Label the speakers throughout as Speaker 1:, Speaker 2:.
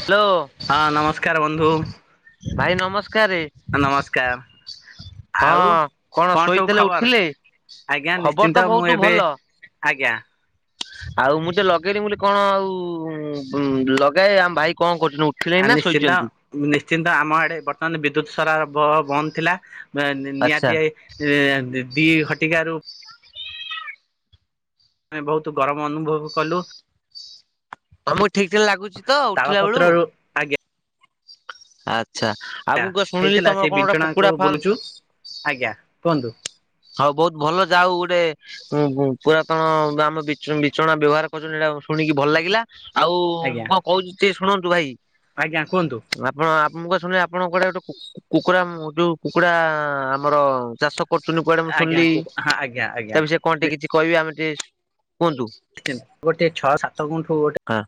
Speaker 1: Hello
Speaker 2: ହଁ ନମସ୍କାର ବନ୍ଧୁ
Speaker 1: ଭାଇ ନମସ୍କା
Speaker 2: ନମସ୍କାର। ଆଉ
Speaker 1: ହଁ
Speaker 2: କଣ ସବୁ
Speaker 1: ଶୋଇଥିଲେ
Speaker 2: ଖବର
Speaker 1: ଉଠିଲେ?
Speaker 2: ଆଜ୍ଞା
Speaker 1: ଖବର ତ
Speaker 2: ନିଶ୍ଚିନ୍ତ
Speaker 1: ବହୁତ
Speaker 2: ମୁଁ ଏବେ
Speaker 1: ଭଲ।
Speaker 2: ଆଜ୍ଞା।
Speaker 1: ଆଉ ମୁଁ ଯ ଲଗେଇଲିି ବୋଲି କଣ ଆଉ ଉ ଲଗାଏ ଆମ ଭାଇ କଣ କରଛ
Speaker 2: ଆ ନିଶ୍ଚିନ୍ତ ନିଶ୍ଚିନ୍ତ ଆମ ଆଡେ ବର୍ତ୍ତମାନ ବିଦ୍ୟୁତ ସର ବ ବନ୍ଦ ଥିଲା। ନି
Speaker 1: ଆଚ୍ଛା
Speaker 2: ନିହାତିଆ ଦି ଘଟିକା ରୁ ଆମେ ବହୁତ ଗରମ ଅନୁଭବ କଲୁ।
Speaker 1: ତମକୁ ଠିକ ଠିକ ଲାଗୁଛି ତ ଉଠିଲା
Speaker 2: ତାଳପତ୍ରରୁ ଆଗେ
Speaker 1: ଆଚଛା ଆଉ ମୁଁ କ ଶୁଣିଲି
Speaker 2: ହେଇଥିଲା
Speaker 1: ତମର
Speaker 2: ସେଇ
Speaker 1: କଣ ଗୋଟ
Speaker 2: ବିଞ୍ଚଣାକୁ
Speaker 1: କୁକୁଡ଼ା
Speaker 2: ବୁଲୁଛୁ
Speaker 1: ଫାର୍ମ
Speaker 2: ଆଜ୍ଞା କୁହନ୍ତୁ।
Speaker 1: ହଉ ବହୁତ ଭଲ ଯାଉ ଗୋଟେ ଉ ପୁରାତନ ଆମ ବି ବିଛଣା ବ୍ୟବହାର କରୁଥିଲୁ ଏଟା ଶୁଣିକି ଭଲ ଲାଗିଲା ଆଉ
Speaker 2: ଆଜ୍ଞା
Speaker 1: କଣ କହୁଛି ସେ ଶୁଣନ୍ତୁ ଭାଇ।
Speaker 2: ଆଜ୍ଞା କୁହନ୍ତୁ।
Speaker 1: ମୁଁ କ ଶୁଣିଲି ଆପଣଙ୍କ କୁଡେ ଗୋଟେ କୁକୁଡ଼ା ଯୋଉ କୁକୁଡା ଆମର ଚାଷ ଶୁନୁ କୁଆଡେ ମୁଁ
Speaker 2: ଆଜ୍ଞା
Speaker 1: ଶୁଣିଲି
Speaker 2: ହଁ ଆଜ୍ଞା ଆଜ୍ଞା
Speaker 1: ତାପ ସେ କଣ ଟିକେ କିଛି କହିବା ଆମେ ଟିକେ କୁହନ୍ତୁ
Speaker 2: ଗୋଟେ ଛଅ ସାତ ଗୁଣ୍ଠୁ ଗୋଟେ
Speaker 1: ହଁ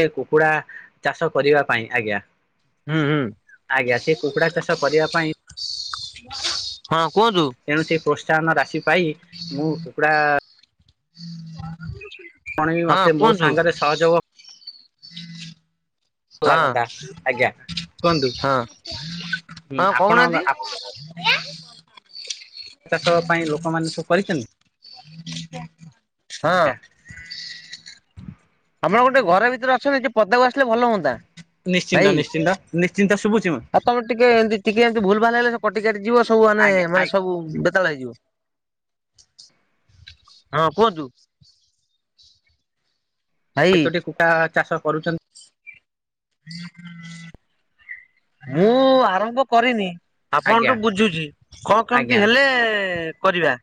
Speaker 2: ସେ କୁକୁଡ଼ା ଚାଷ କରିବା ପାଇଁ ଆଜ୍ଞା। ଆଜ୍ଞା
Speaker 1: ହୁଁ
Speaker 2: ସେ କୁକୁଡ଼ା ଚାଷ କରିବା ପାଇଁ
Speaker 1: ହୁଁ ହଁ। କୁହନ୍ତୁ
Speaker 2: ତେଣୁ ସେ ପ୍ରୋତ୍ସାହନ ରାଶି ପାଇ ମୁଁ କୁକୁଡ଼ା
Speaker 1: [inaudible]
Speaker 2: କୁଣ ବି
Speaker 1: ହଁ
Speaker 2: ମୋତେ ମୋ
Speaker 1: କୁହନ୍ତୁ
Speaker 2: ସାଙ୍ଗରେ ସହଯୋଗ
Speaker 1: ହଁ
Speaker 2: ଲାଗନ୍ତା ଆଜ୍ଞା କୁହନ୍ତୁ
Speaker 1: ହଁ। ହଁ
Speaker 2: ଆପଣ
Speaker 1: କହୁନାହାନ୍ତି।
Speaker 2: ଆପଣ ଚାଷ ପାଇଁ ଲୋକମାନେ ସପୁ କରିଚନ୍ତି?
Speaker 1: ହଁ। ଆମର ଗୋଟେ ଘରେ ଭିତରେ ଅଛନ୍ତି ଯେ ପଦା ଆସିଲେ ଭଲ ହୁଅନ୍ତା। ଭାଇ
Speaker 2: ନିଶ୍ଚିନ୍ତ ନିଶ୍ଚିନ୍ତ ନିଶ୍ଚିନ୍ତ ଶୁଭୁଚି ।
Speaker 1: ଆଉ ତମେ ଟିକେ ଏମିତି ଟିକେ ଏମିତି ଭୁଲ ଭାଲ ହେଲେ କଟି କାଟି ଯିବ ସବୁ ମାନେ
Speaker 2: ଆଜ୍ଞା
Speaker 1: ମାନେ
Speaker 2: ଆଜ୍ଞା
Speaker 1: ସବୁ କେତଳେ ହେଇଯିବ? ହଁ କୁହନ୍ତୁ। ଭାଇ
Speaker 2: କେତୋଟି କୁଟା ଚାଷ କରୁଚନ୍ତି?
Speaker 1: ମୁଁ ଆରମ୍ଭ କରିନି।
Speaker 2: ଆଜ୍ଞା
Speaker 1: ଆପଣଠୁ ବୁଝୁଚି କଣ କେମିତି
Speaker 2: ଆଜ୍ଞା
Speaker 1: ହେଲେ କରିବା।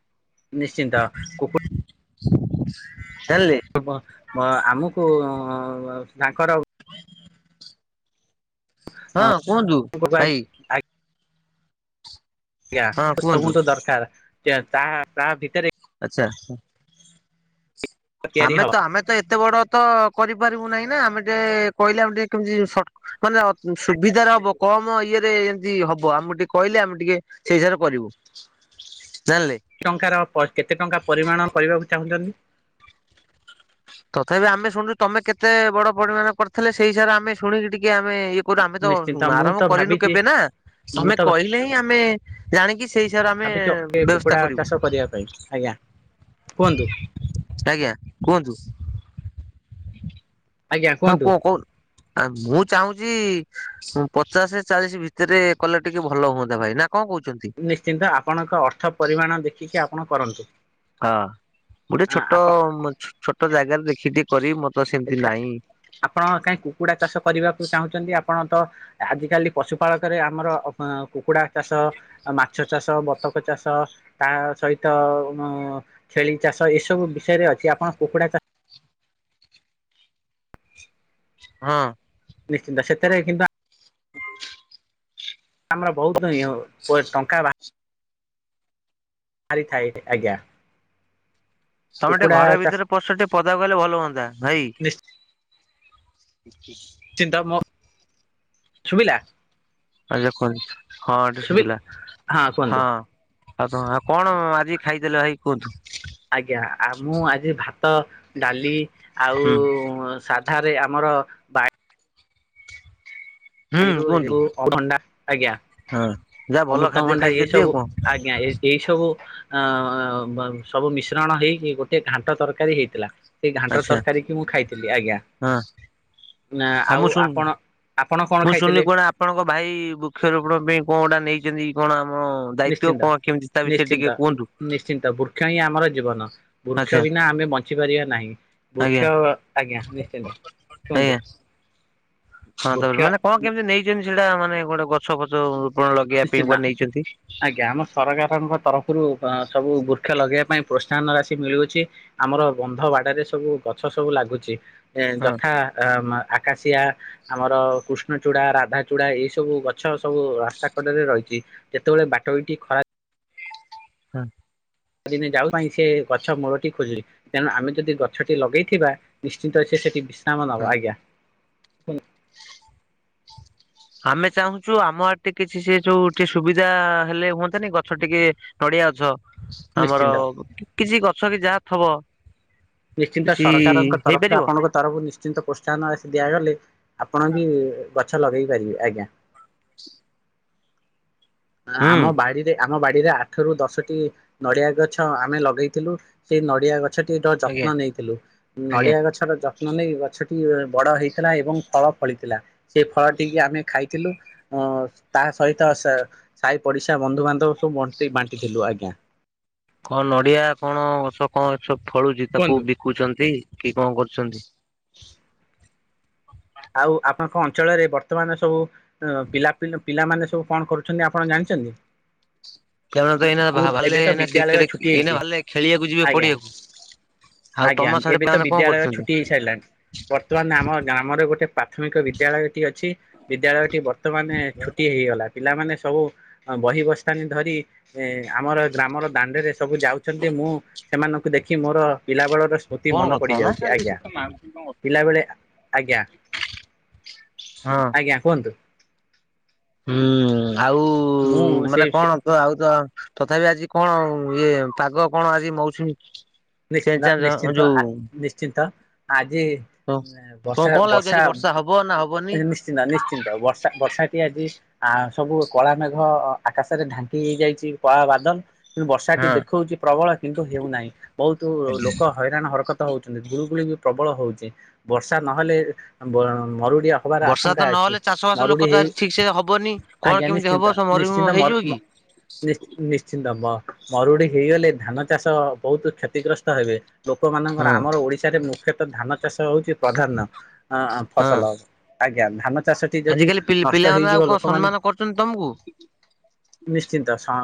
Speaker 2: ନିଶ୍ଚିନ୍ତ କୁକୁ
Speaker 1: [unintelligible]
Speaker 2: ଏବ ଆମକୁ ଅ ତାଙ୍କର
Speaker 1: ହଁ କୁହନ୍ତୁ ଭାଇ ।
Speaker 2: ଆଜ୍ଞା
Speaker 1: ହଁ
Speaker 2: ଆଠ
Speaker 1: କୁହନ୍ତୁ
Speaker 2: ଗୁଣ୍ଠୁ ଦରକାର ତା ତା ଭିତରେ
Speaker 1: ଆଚ୍ଛା ହୁଁ ।
Speaker 2: ତିଆରି ହବ
Speaker 1: ଆମେ ତ ଆମେ ତ ଏତେ ବଡ ତ କରିପାରିବୁ ନାହିଁ ନା ଆମେ ଟିକେ କହିଲେ ଆମେ ଟିକେ କେମିତି ସଟ୍ ମାନେ ଅ ସୁବିଧାରେ ହବ କମ ଇଏ ଏ ରେ ଏମତି ହବ ଆମେ ଟିକେ କହିଲେ ଆମେ ଟିକେ ସେଇ ହିସାବରେ କରିବୁ। ଜାଣିଲେ
Speaker 2: ଟଙ୍କାର ପ କେତେ ଟଙ୍କା ପରିମାଣ କରିବାକୁ ଚାହୁଁଛନ୍ତି।
Speaker 1: ତଥାପି ଆମେ ଶୁଛୁଚୁ ତମେ କେତେ ବଡ ପଡିମାଣ କରିଥିଲେ ସେଇ ହିସାବରେ ଆମେ ଶୁଣି ଟିକେ ଆମେ ଇଏ କରୁ ଆମେ ତ
Speaker 2: ନିଶ୍ଚିନ୍ତ ମୁଁ
Speaker 1: ଆରମ୍ଭ
Speaker 2: ତ
Speaker 1: କରିନୁ
Speaker 2: ଭାବିଛି
Speaker 1: କେବେ ନା
Speaker 2: ମୁଁ
Speaker 1: ସମେ
Speaker 2: ତ
Speaker 1: କହିଲେ ହିଁ ଆମେ ଜାଣିକି ସେଇ ହିସାବରେ ଆମେ
Speaker 2: ଭାବିଛି ଏ
Speaker 1: ବ୍ୟବସ୍ଥା
Speaker 2: କୁକୁଡ଼ା
Speaker 1: କରିବୁ।
Speaker 2: ଚାଷ କରିବା ପାଇଁ ଆଜ୍ଞା କୁହନ୍ତୁ
Speaker 1: ଆଜ୍ଞା କୁହନ୍ତୁ।
Speaker 2: ଆଜ୍ଞା
Speaker 1: ହଁ
Speaker 2: କୁହନ୍ତୁ।
Speaker 1: କୁହ କହୁ ଆ ମୁଁ ଚାହୁଁଚି ପଚାଶ ଚାଳିଶ ଭିତରେ କଲେ ଟିକେ ଭଲ ହୁଅନ୍ତା ଭାଇ ନା। କଣ କହୁଛନ୍ତି?
Speaker 2: ନିଶ୍ଚିନ୍ତ ଆପଣଙ୍କ ଅର୍ଥ ପରିମାଣ ଦେଖିକି ଆପଣ କରନ୍ତୁ।
Speaker 1: ହଁ ଗୋଟେ ଛୋଟ
Speaker 2: ଆପ
Speaker 1: ଛୋଟ ଜାଗାରେ ଦେଖି ଟିକେ କରିବି ମ
Speaker 2: ଏକା ଆପଣ କାହିଁ କୁକୁଡା ଚାଷ କରିବାକୁ ଚାହୁଁଛନ୍ତି? ଆପଣ ତ ଆଜିକାଲି ପଶୁପାଳକରେ ଆମର କୁକୁଡ଼ା ଚାଷ ମାଛ ଚାଷ ବତ ବତକ ଚାଷ ତା ସହିତ ଅ ଛେଳି ଚାଷ ଏସବୁ ବିଷୟରେ ଅଛି ଆପଣ କୁକୁଡ଼ା ଚାଷ
Speaker 1: ହଁ।
Speaker 2: ନିଶ୍ଚିନ୍ତ ସେଥେରେ କିନ୍ତୁ
Speaker 1: ହ [unintelligible]
Speaker 2: ଆମର ବହୁତ ଇହ ପ ଟଙ୍କା ବାଆ ଆରିଥାଏ ଆଜ୍ଞା ।
Speaker 1: ସମତେ ଟ ଘର ଭିତରେ ପଶ ଟିକେ ପଦା ଆଇଲେ ଭଲ ହୁଅନ୍ତା ଭାଇ। [unintelligible]
Speaker 2: ସୁବିଲା।
Speaker 1: ଆଜ୍ଞା କୁହନ୍ତୁ ହଁ ଏବେ ଶୁଭିଲା ହଁ ଆଉ କଣ ଆଉ କଣ ଆଜି ଖାଇଥିଲେ ଭାଇ କୁହନ୍ତୁ?
Speaker 2: ଆଜ୍ଞା ଆ ମୁଁ ଆଜି ଭାତ ଡାଲି ଆଉ
Speaker 1: ହୁଁ
Speaker 2: ସାଦା ଠାରେ ଆମର ବାୟ
Speaker 1: ହୁଁ
Speaker 2: ପାଣିରୁ
Speaker 1: କୁହନ୍ତୁ
Speaker 2: ରୁ ଭଣ୍ଡା ଆଜ୍ଞା
Speaker 1: ହଁ ଯାହା ଭଲ ଖାଦ୍ୟ
Speaker 2: ଅମୃତଭଣ୍ଡା ଏ
Speaker 1: ଖାଇଛନ୍ତି ଆଉ
Speaker 2: ସବୁ
Speaker 1: କଣ
Speaker 2: ଆଜ୍ଞା । ଏଇ ସବୁ ଅ ସବୁ ମିଶ୍ରଣ ହେଇକି ଗୋଟେ ଘାଣ୍ଟ ତରକାରୀ ହେଇଥିଲା। ସେଇ ଘାଣ୍ଟ
Speaker 1: ଆଚ୍ଛା
Speaker 2: ତରକାରୀ କି ମୁଁ ଖାଇଥିଲି ଆଜ୍ଞା
Speaker 1: ହଁ
Speaker 2: ନା ଆଉ
Speaker 1: ମୁଁ ଶୁଣୁ
Speaker 2: ଆପଣ ଆ
Speaker 1: ମୁଁ ଶୁଣିଲି କଣ ଆପଣଙ୍କ ଭାଇ ବୃକ୍ଷରୋପଣ ପାଇଁ କଣ ଗୋଟା ନେଇଛନ୍ତି କଣ ଆମ ଦାୟିତ୍ଵ
Speaker 2: ନିଶ୍ଚିନ୍ତ
Speaker 1: କଣ କେମିତି ତା ବିଷୟରେ ଟିକେ
Speaker 2: ନିଶ୍ଚିନ୍ତ
Speaker 1: କୁହନ୍ତୁ
Speaker 2: ନିଶ୍ଚିନ୍ତ ବୃକ୍ଷ ହିଁ ଆମର ଜୀବନ ।
Speaker 1: ଆଚ୍ଛା
Speaker 2: ବୃକ୍ଷ ବିନା ଆମେ ବଞ୍ଚି ପାରିବା ନାହିଁ ବୃକ୍ଷ ଆଜ୍ଞା ନିଶ୍ଚିନ୍ତ ।
Speaker 1: ହ୍ନି ହଁ
Speaker 2: ବୃକ୍ଷ
Speaker 1: ତାପରେ ମାନେ କଣ କେମିତି ନେଇଛନ୍ତି ସେଇଟା ମାନେ ଗୋଟେ ଗଛ ଫଛ ରୋପଣ ଲଗେଇବା ପାଇଁ
Speaker 2: ନିଶ୍ଚିନ୍ତ
Speaker 1: କୁଆଡେ ନେଇଛନ୍ତି?
Speaker 2: ଆଜ୍ଞା ଆମ ସରକାରଙ୍କ ତରଫରୁ ରୁ ସବୁ ବୃକ୍ଷ ଲଗେଇବା ପାଇଁ ପ୍ରୋତ୍ସାହନ ରାଶି ମିଳୁଅଛି ଆମର ବନ୍ଧ ବାଡରେ ସବୁ ଗଛ ସବୁ ଲାଗୁଛି ଇ
Speaker 1: ହଁ
Speaker 2: ଯଥା ଆକାଶିଆ ଆମର କୃଷ୍ଣଚୂଡା ରାଧାଚୂଡା ଏଇ ସବୁ ଗଛ ସବୁ ରା କାକଟରେ ରହିଛି ଯେତେବେଳେ ବାଟୋଇଟି ଖରା ରେ
Speaker 1: ହୁଁ
Speaker 2: ଦିନେ ଯାଉ ପାଇଁ ସେ ଗଛ ମୂଳଟି ଖୋଜେ ତେଣୁ ଆମେ ଯଦି ଗଛଟି ଲଗେଇଥିବା ନିଶ୍ଚନ୍ତ ସେ ସେଠି କାମଦବ
Speaker 1: ହଁ
Speaker 2: ଆଜ୍ଞା ।
Speaker 1: ଆମେ ଚାହୁଁଛୁ ଆମ ଆଡ ଟିକେ କିଛି ସେ ଯୋଉ ଟିକେ ସୁବିଧା ହେଲେ ହୁଅନ୍ତାନି ଗଛ ଟିକେ ନଡିଆ ଗଛ ଆମର
Speaker 2: ନିଶ୍ଚିନ୍ତ
Speaker 1: କିଛି ଗଛ କି ଯାହା ଥବ
Speaker 2: ନିଶ୍ଚିନ୍ତ
Speaker 1: କିଛି
Speaker 2: ସରକାରଙ୍କ ତରଫରୁ
Speaker 1: ହେଇପାରିବ
Speaker 2: ଆପଣଙ୍କ ତରଫରୁ ନିଶ୍ଚିନ୍ତ ପ୍ରୋତ୍ସାହନ ରାଶି ଦିଆଗଲେ ଆପଣ ବି ଗଛ ଲଗେଇ ପାରିବେ ଆଜ୍ଞା ।
Speaker 1: [inaudible] ହୁଁ
Speaker 2: ଆମ ବାଡିରେ ଆମ ବାଡିରେ ଆଠ ର ଦଶଟି ନଡ଼ିଆ ଗଛ ଆମେ ଲଗେଇଥିଲୁ ସେଇ ନଡ଼ିଆ ଗଛ ଗଛଟି ଯତ୍ନ
Speaker 1: ଆଜ୍ଞା
Speaker 2: ନେଇଥିଲୁ
Speaker 1: ଆଜ୍ଞା।
Speaker 2: ନଡିଆ ଗଛର ଯ ଯତ୍ନ ନେଇ ଗଛଟି ବଡ ହେଇଥିଲା ଏବଂ ଫଳ ଫଳିଥିଲା ସେ ଫଳଟିିକ ଆମେ ଖାଇଥିଲୁ। ହଁ ତା ସହିତ ସ ସାହି ପଡିଶା ବନ୍ଧୁବାନ୍ଧବ ସବୁଣ୍ଟି ବାଣ୍ଟିଥିଲୁ। ଆଜ୍ଞା।
Speaker 1: କଣ ନଡିଆ କଣ ଗଛ କଣ ସବୁ ଫଳୁଚି ତାକୁ
Speaker 2: କୁହନ୍ତୁ।
Speaker 1: ବିକୁଚନ୍ତି? କି କଣ କରୁଚନ୍ତି?
Speaker 2: ଆଉ ଆପଣଙ୍କ ଅଞ୍ଚଳରେ ବର୍ତ୍ତମାନ ସବୁ ଏଁ ପିଲା ପିଲି ପିଲାମାନେ ସବୁ କଣ କରୁଚନ୍ତି ଆପଣ ଜାଣିଛନ୍ତି?
Speaker 1: [inaudible] ସେମାନେ ତ ଏଇନା ଭା
Speaker 2: ସ୍କୁଲ ଏବେ
Speaker 1: ଭାଲେ
Speaker 2: ତ
Speaker 1: ଏଇନା
Speaker 2: ବିଦ୍ୟାଳୟ
Speaker 1: କ୍ରିକେଟ
Speaker 2: ଛୁଟି
Speaker 1: ଏଇନା
Speaker 2: ହେଇଛି
Speaker 1: ଭାଲେ ଖେଳିବାକୁ ଯିବେ
Speaker 2: ଆଜ୍ଞା।
Speaker 1: ପଡ଼ିଆକୁ।
Speaker 2: ଆଜ୍ଞା ଏବେ ତ ବିଦ୍ୟାଳୟ ଛୁଟି ହେଇ ସାରିଲାଣି ବର୍ତ୍ତମାନ ଆମ ଗ୍ରାମରେ ଗୋଟ ଗଟେ ପ୍ରାଥମିକ ବିଦ୍ୟାଳୟଟି ଅଛି ବିଦ୍ୟାଳୟ ଟି ବର୍ତ୍ତମାନ ଛୁଟି ହେଇଗଲା। ପିଲାମାନେ ସବୁ ଅ ବହି ବସ୍ଥାନୀ ଧରି ଏଁ ଆମର ଗ୍ରାମର ଦାଣ୍ଡରେ ସବୁ ଯାଉଚନ୍ତି ମୁଁ ସେମାନଙ୍କୁ ଦେଖି ମୋର ପିଲାବେଳର ସ୍ମୃତି
Speaker 1: ଫୋନ
Speaker 2: ମନେ
Speaker 1: କରିଥିଲା ନା
Speaker 2: ପଡିଯାଉଚି। ଆଜ୍ଞା ପିଲାବେଳେ ଆଜ୍ଞା।
Speaker 1: ହଁ।
Speaker 2: ଆଜ୍ଞା କୁହନ୍ତୁ।
Speaker 1: ହୁଁ ଆଉ
Speaker 2: ମୁଁ ସେ
Speaker 1: ମାନେ କଣ ତ ଆଉ ତ ତଥାପି ଆଜି କଣ ଇଏ ପାଗ କଣ ଆଜି ମୌସୁମୀ ଚେଞ୍ଜ
Speaker 2: ନିଶ୍ଚିନ୍ତ
Speaker 1: ଚାଞ୍ଜ
Speaker 2: ନିଶ୍ଚିନ୍ତ
Speaker 1: ଯୋଉ
Speaker 2: ଆ ନିଶ୍ଚିନ୍ତ ଆଜି
Speaker 1: କଣ
Speaker 2: ବର୍ଷା
Speaker 1: କଣ ଲାଗୁଛି ଆଜି
Speaker 2: ବର୍ଷା
Speaker 1: ବର୍ଷା ହବ ନା ହବନି?
Speaker 2: ନିଶ୍ଚିନ୍ତ ନିଶ୍ଚିନ୍ତ ବର୍ଷା ବର୍ଷାଟି ଆଜି ଆ ସବୁ କଳା ମେଘ ଆକାଶରେ ଢାଙ୍କି ହେଇଯାଇଚି କଳା ବାଦଲ। ବର୍ଷାଟି
Speaker 1: ହଁ
Speaker 2: ଦେଖଉଚି ପ୍ରବଳ କିନ୍ତୁ ହେଉ ନାହିଁ। ବହୁତ
Speaker 1: ଆଜ୍ଞା।
Speaker 2: ଲୋକ ହଇରାଣ ହରକତ ହଉଚନ୍ତି ଗୁଳୁଗୁଳି ପ୍ରବଳ ହଉଚି ବର୍ଷା ନ ହେଲେ ମରୁଡି ବି ହବାର
Speaker 1: ବର୍ଷା ତ
Speaker 2: ଆଶଙ୍କା ଅଛି।
Speaker 1: ନହେଲେ ଚାଷ ବାସ ଲୋକ
Speaker 2: ମରୁଡି
Speaker 1: ତ
Speaker 2: ହେଇ
Speaker 1: ଆଜି ଠିକ ସେ ହବନି। କଣ
Speaker 2: ଆଜ୍ଞା
Speaker 1: କେମିତି ହବ
Speaker 2: ନିଶ୍ଚିନ୍ତ
Speaker 1: ସବୁ ମରୁଭୂମି
Speaker 2: ନିଶ୍ଚିନ୍ତ
Speaker 1: ହେଇଯିବ କି?
Speaker 2: ନିଶ୍ଚ ନିଶ୍ଚିନ୍ତ ବ ମରୁଡି ହେଇଗଲେ ଧାନ ଚାଷ ବହୁତ କ୍ଷତିଗ୍ରସ୍ତ ହେବେ ଲୋକମାନଙ୍କର
Speaker 1: ହଁ
Speaker 2: ଆମର ଓଡିଶାରେ ମୁ ଖ୍ୟାତ ଧାନ ଚାଷ ହଉଚି ପ୍ରଧାନ ଆଁ
Speaker 1: ହଁ
Speaker 2: ଫସଲ। ଆଜ୍ଞା ଧାନ ଚାଷଟି ଯଦି
Speaker 1: ଆଜିକାଲି
Speaker 2: ନଷ୍ଟ
Speaker 1: ପିଲାମାନେ
Speaker 2: ହେଇଯିବ
Speaker 1: ଆଉ କଣ
Speaker 2: ଲୋକମାନେ
Speaker 1: ସମ୍ମାନ କରୁଛନ୍ତି ତମକୁ?
Speaker 2: ନିଶ୍ଚିନ୍ତ ସ୍ଅଁ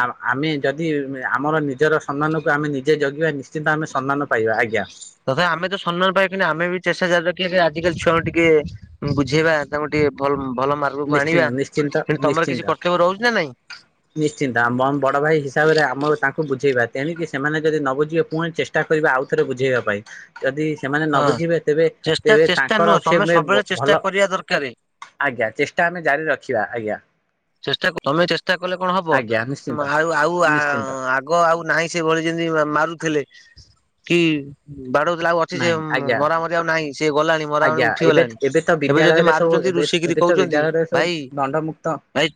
Speaker 2: ଆ ଆମେ ଯଦି ଆମର ନିଜର ସମ୍ମାନକୁ ଆମେ ନିଜେ ଜଗିବା ନିଶ୍ଚିନ୍ତ ଆମେ ସମ୍ମାନ ପାଇବା ଆଜ୍ଞା।
Speaker 1: ତଥାପି ଆମେ ତ ସମ୍ମାନ ପାଇକିନି ଆମେ ବି ଚେଷ୍ଟା ଜାରି ର ଖି ସେ ଆଜିକାଲି ଛୁଆଙ୍କୁ ଟିକେ ଉଁ ବୁଝେଇବା ତାଙ୍କୁ ଟିକେ ଭଲ ଭଲ ମାର୍ଗକୁ
Speaker 2: ନିଶ୍ଚିନ୍ତ
Speaker 1: ଆଣିବା
Speaker 2: ନିଶ୍ଚିନ୍ତ
Speaker 1: ଫିଣି ତମର
Speaker 2: ନିଶ୍ଚିନ୍ତ।
Speaker 1: କିଛି କର୍ତ୍ତବ୍ୟ ରହୁଚି ନା ନାଇଁ?
Speaker 2: ନିଶ୍ଚିନ୍ତ ଆମମ ବଡ ଭାଇ ହିସାବରେ ଆମର ତାଙ୍କୁ ବୁଝେଇବା ତେଣିକି ସେମାନେ ଯଦି ନ ବୁଝିବେ ପୁଣି ଚେଷ୍ଟା କରିବା ଆଉ ଥରେ ବୁଝେଇବା ପାଇଁ ଯଦି ସେମାନେ ନ
Speaker 1: ହଁ
Speaker 2: ବୁଝିବେ ତେବେ
Speaker 1: ଚେଷ୍ଟା
Speaker 2: ତେବେ
Speaker 1: ଚେଷ୍ଟା
Speaker 2: ତାଙ୍କର
Speaker 1: ନୁହଁ
Speaker 2: ସେ
Speaker 1: ତମେ
Speaker 2: ମେ
Speaker 1: ସବୁବେଳେ ଚେଷ୍ଟା
Speaker 2: ଭଲ
Speaker 1: କରିବା ଦରକାର
Speaker 2: ଆଜ୍ଞା ଚେଷ୍ଟା ଆମେ ଜାରି ରଖିବା। ଆଜ୍ଞା।
Speaker 1: ଚେଷ୍ଟା ତମେ ଚେଷ୍ଟା କଲେ କଣ ହବ?
Speaker 2: ଆଜ୍ଞା ନିଶ୍ଚିନ୍ତ
Speaker 1: ଉଁ ଆଉ ଆଉ ଆ
Speaker 2: ନିଶ୍ଚିନ୍ତ
Speaker 1: ଆଗ ଆଉ ନାହିଁ ସେ ଭଳି ଯେମିତି ମାରୁଥିଲେ। କି ବାଡଉଥିଲା ଆଉ ଅଛି ସେ
Speaker 2: ନାଇଁ
Speaker 1: ଉଁ
Speaker 2: ଆଜ୍ଞା
Speaker 1: ମରା ମରି ଆଉ ନାହିଁ ସେ ଗଲାଣି ମରା ମରି
Speaker 2: ଆଜ୍ଞା ଏବେ
Speaker 1: ଉଠିଗଲାଣି।
Speaker 2: ତ
Speaker 1: ଏବେ ଯଦି
Speaker 2: ବିଦ୍ୟାଳୟରେ ସବୁ
Speaker 1: ମାରୁଚନ୍ତି
Speaker 2: ଏବେ ତ ବିଦ୍ୟାଳୟରେ ସବୁ ଦଣ୍ଡ ମୁୁକ୍ତ
Speaker 1: ନାଇ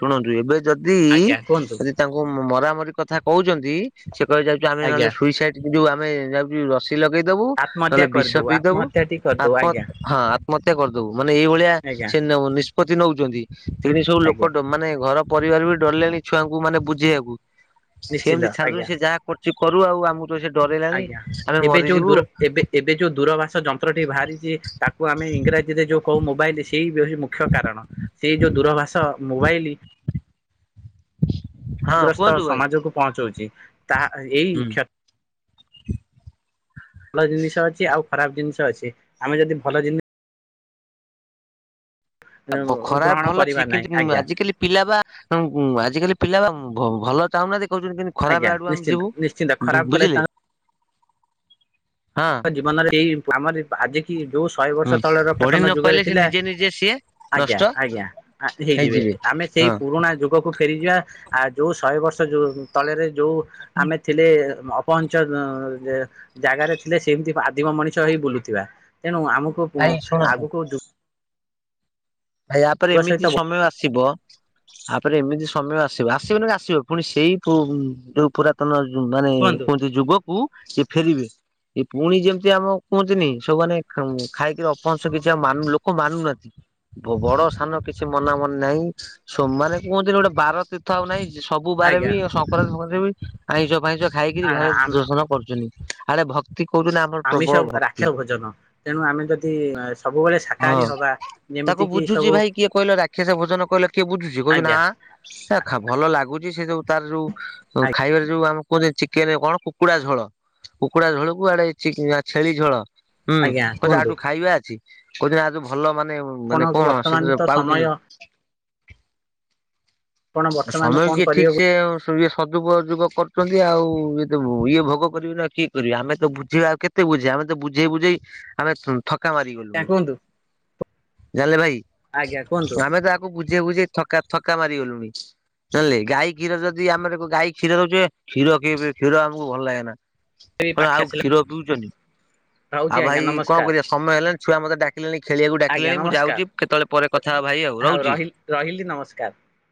Speaker 1: ଶୁଣନ୍ତୁ ଏବେ ଯଦି
Speaker 2: ଆଜ୍ଞା କୁହନ୍ତୁ
Speaker 1: ଯଦି ତାଙ୍କୁ ମରାମରି କଥା କହୁଛନ୍ତି ସେ କଏ ଯାଉଚୁ ଆମେ ନହେଲେ
Speaker 2: ଆଜ୍ଞା
Speaker 1: ସୁଇସାଇଡ ଯୋଉ ଆମେ ଯାଉଚୁ ରସ ସି ଲଗେଇଦବୁ
Speaker 2: ଆତ୍ମହତ୍ୟା
Speaker 1: ନହେଲେ ବିଷ
Speaker 2: କରିଦଉ
Speaker 1: ପିଇଦବୁ
Speaker 2: ଆତ୍ମହତ୍ୟାଟି କରିଦଉ
Speaker 1: ହଁ।
Speaker 2: ଆଜ୍ଞା
Speaker 1: ମତେ କରିଦବୁ ମାନେ ଏଇଭଳିଆ
Speaker 2: ଆଜ୍ଞା
Speaker 1: ସେ ନିଷ୍ପତ୍ତି ନଉଚନ୍ତି ତିଣ ସବୁ ଲୋକ
Speaker 2: ଆଜ୍ଞା
Speaker 1: ମାନେ ଘର ପରିବାର ବି ଡରିଲେଣି ଛୁଆଙ୍କୁ ମାନେ ବୁଝେଇଆକୁ
Speaker 2: ନିଶ୍ଚିନ୍ତ
Speaker 1: ସେମିତି ଛାଡି
Speaker 2: ଆଜ୍ଞା
Speaker 1: ଦବୁ ସେ ଯାହା କର ଚି କରୁ ଆଉ ଆମକୁ ତ ସେ ଡରେଇଲାଣି
Speaker 2: ଆଜ୍ଞା
Speaker 1: ଆମେ
Speaker 2: ଏବେ ଯୋଉ
Speaker 1: ମରିଯିବୁ
Speaker 2: ଦୂର ଏବେ ଏବେ ଯୋଉ ଦୂରଭାଷା ଯନ୍ତ୍ରଟି ବାହାରିଚି ତାକୁ ଆମେ ଇଂରାଜୀ ରେ ଯୋଉ କହୁ ମୋବାଇଲ ସେଇ ବିହ ମୁଖ୍ୟ କାରଣ ସେଇ ଯୋଉ ଦୂରଭାଷା ମୋବାଇଲ
Speaker 1: ହଁ
Speaker 2: ଗ୍ରସ୍ତ
Speaker 1: କୁହନ୍ତୁ ଭାଇ
Speaker 2: ସମାଜକୁ ପହଞ୍ଚଉଛି ତାହା ଏଇ
Speaker 1: ହୁଁ।
Speaker 2: କ୍ଷ ଭଲ ଜିନିଷ ଅଛି ଆଉ ଖରାପ ଜିନିଷ ଅଛି ଆମେ ଯଦି ଭଲ ଜିନି
Speaker 1: ଖରା
Speaker 2: ଗ୍ରହଣ
Speaker 1: ଭଲ
Speaker 2: କରିବା
Speaker 1: ଅଛି
Speaker 2: ନାହିଁ
Speaker 1: କିନ୍ତୁ
Speaker 2: ଆଜ୍ଞା
Speaker 1: ଆଜିିକାଲି ପିଲା ଉଁ ବା ଆଜିିକାଲି ପିଲା ବା ଭଲ ଚାହୁଁନାହାନ୍ତି କହୁଛନ୍ତି କିନ୍ତୁ
Speaker 2: ଆଜ୍ଞା
Speaker 1: ଖରାପ ଆଡୁ ଆମେ
Speaker 2: ନିଶ୍ଚିନ୍ତ ନିଶ୍ଚିନ୍ତ
Speaker 1: ଯିବୁ
Speaker 2: ଖରାପ କଲେ
Speaker 1: ବୁଝିଲେ।
Speaker 2: ତାଙ୍କ
Speaker 1: ହଁ
Speaker 2: ଜୀବନରେ ଏଇ ଆମରି ଆଜି କି ଯୋଉ ଶହେ ବର୍ଷ
Speaker 1: ହୁଁ
Speaker 2: ତଳେ ର
Speaker 1: ପଢି
Speaker 2: କାତନ
Speaker 1: ନ
Speaker 2: ଯୁଗରେ
Speaker 1: ପାଇଲେ ସେ
Speaker 2: ଥିଲା
Speaker 1: ନିଜେ ନିଜେ ସିଏ
Speaker 2: ଆଜ୍ଞା
Speaker 1: ନଷ୍ଟ
Speaker 2: ଆଜ୍ଞା ହେଇଯିବେ ଆମେ ସେଇ ପୁରୁଣା ଯୁଗକୁ ଫେରିଯିବା ଆ ଯୋଉ ଶହେ ବର୍ଷ ଯୋଉ ତଳେରେ ଯୋଉ ଆମେ ଥିଲେ ଅପହଞ୍ଚ ଅଁ ଜାଗାରେ ଥିଲେ ସେମିତି ଆଦିମ ମଣିଷ ହେଇ ବୁଲୁଥିବା। ତେଣୁ ଆମକୁ
Speaker 1: ଭାଇ ଶୁଣନ୍ତୁ
Speaker 2: ଆଗକୁ ଜୁ
Speaker 1: ୟାପରେ ଏମିତି
Speaker 2: ସହିତ
Speaker 1: ସମୟ ଆସିବ ଆପ ଏମିତି ସମୟ ଆସିବ ଆସିବ ନା ଆସିବ ପୁଣି ସେଇ ଯୋଉ ପୁରାତନ ଜୁ ମାନେ
Speaker 2: କୁହନ୍ତୁ।
Speaker 1: କୁହନ୍ତି ଯୁଗକୁ ସେଏ ଫେରିବେ। ଏ ପୁଣି ଯେମିତି ଆମ କୁହନ୍ତିନି ସବୁମାନେ ଖାଇକିରି ଅପହଂସ କିଛି ଆନ ଲୋକ ମାନୁନାହାନ୍ତି। ବଡ ସାନ କିଛି ମନା ମନି ନାହିଁ ସୋମାବାରେ କୁହଛନ୍ତି ଗୋଟେ ବାର ତୀର୍ଥ ଆଉ ନାହିଁ। ସବୁ ବାର
Speaker 2: ଆଜ୍ଞା
Speaker 1: ବି ସଂକ୍ରାନ୍ତି ରେ ବି ଆଇଁଷ ଫାଇଁସ ଖାଇକିରି ଘରେ ଦର୍ଶନ କରୁଛନ୍ତି। ଆରେ ଭକ୍ତି କହୁଛନ୍ତି ଆମର ପ୍ରବଳ
Speaker 2: ଆମିଷ
Speaker 1: ଭକ୍ତି
Speaker 2: ରାକ୍ଷ ଭୋଜନ ତେଣୁ ଆମେ ଯଦି ଆଁ ସବୁବେଳେ
Speaker 1: ହଁ।
Speaker 2: ସାକାହାରୀ ହବା ଯେମିତି
Speaker 1: ତାକୁ
Speaker 2: କିି
Speaker 1: ବୁଝୁଛି
Speaker 2: ସବୁ
Speaker 1: ଭାଇ କିଏ କହିଲ ରାକ୍ଷସ ଭୋଜନ କହିଲେ କିଏ ବୁଝୁଛି କହୁଛ ନା
Speaker 2: ଆଜ୍ଞା
Speaker 1: ସେ ଖା ଭଲ ଲାଗୁଛି ସେ ସବୁ ତାର ଯୋଉ ଖାଇବାରେ ଯୋଉ ଆମ କୁହନ୍ତି ଚିକେନ କଣ କୁକୁଡା ଝୋଳ। କୁକୁଡା ଝୋଳକୁ ଇଆଡେ ଚି ଛେଳି ଝୋଳ ହୁଁ
Speaker 2: ଆଜ୍ଞା
Speaker 1: କହୁଛ
Speaker 2: କୁହନ୍ତୁ
Speaker 1: ଯାହଠୁ ଖାଇବା ଅଛି କହୁଛନ୍ତି ଆଠୁ ଭଲ ମାନେ ମାନେ
Speaker 2: ଆପଣଙ୍କୁ
Speaker 1: କଣ
Speaker 2: ବର୍ତ୍ତମାନ
Speaker 1: ସେଥିରେ
Speaker 2: ତ ସମୟ
Speaker 1: ପାଉଚୁନି
Speaker 2: ଆପଣ
Speaker 1: ଆ
Speaker 2: ବର୍ତ୍ତମାନ
Speaker 1: ସମୟ
Speaker 2: କଣ
Speaker 1: କିଏ ଠିକ୍
Speaker 2: କରିବାକୁ
Speaker 1: ସେ ଆଉ ଇଏ ସଦୁପଯୋଗ କରୁଛନ୍ତି ଆଉ ଇଏ ତ ଇଏ ଭୋଗ କରିବି ନା କିଏ କରିବି ଆମେ ତ ବୁଝିବା ଆଉ କେତେ ବୁଝେଇ ଆମେ ତ ବୁଝେଇ ବୁଝେଇ ଆମେ ଥକା
Speaker 2: ଆଜ୍ଞା
Speaker 1: ମାରିଗଲୁଣି।
Speaker 2: କୁହନ୍ତୁ
Speaker 1: ଜାଣିଲେ ଭାଇ
Speaker 2: ଆଜ୍ଞା କୁହନ୍ତୁ
Speaker 1: ଆମେ ତ ତାକୁ ବୁଝେଇ ବୁଝେଇ ଥକା ଥକା ମାରିଗଲୁ ନେଲେ ଗାଈ କ୍ଷୀର ଯଦି ଆମର ଗାଈ କ୍ଷୀର ଦଉଚି କ୍ଷୀର କି ପି କ୍ଷୀର ଆମକୁ ଭଲ ଲାଗେ ନା। କଣ
Speaker 2: ପାଖେ
Speaker 1: ଆଉ
Speaker 2: ଆସିଲା
Speaker 1: କ୍ଷୀର ପିଉଛନ୍ତି।
Speaker 2: ରହୁଛି
Speaker 1: ଆଉ
Speaker 2: ଆଜ୍ଞା
Speaker 1: ଭାଇ କଣ
Speaker 2: ନମସ୍କାର
Speaker 1: କରିବା ସମୟ ହେଲାଣି ଛୁଆ ମତେ ଡାକିଲେଣି ଖେଳିବାକୁ ଡାକିଲେଣି ମୁଁ ଯାଉଛି କେତେବେଳେ ପରେ କଥା ଭାଇ ଆଉ
Speaker 2: ହଉ
Speaker 1: ରହୁଛି।
Speaker 2: ରହିଲି ରହିଲି ନମସ୍କାର।